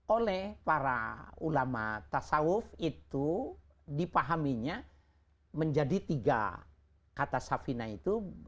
oleh para ulama tasawuf itu dipahaminya menjadi tiga kata safina itu